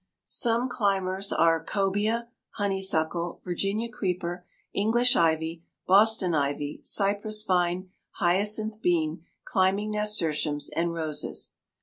Some climbers are cobæa, honeysuckle, Virginia creeper, English ivy, Boston ivy, cypress vine, hyacinth bean, climbing nasturtiums, and roses.